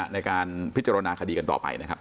ในการพิจารณาคดีกันต่อไปนะครับ